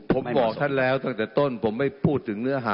ผมบอกท่านแล้วตั้งแต่ต้นผมไม่พูดถึงเนื้อหา